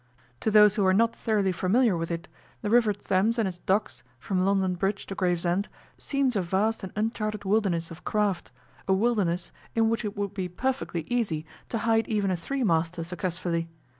To those who are not thoroughly familiar with it the River Thames and its docks, from London Bridge to Gravesend, seems a vast and uncharted wilderness of craft a wilderness in which it would be perfectly easy to hide even a three master successfully.